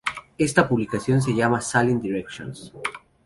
Esta publicación se llama "Sailing Directions".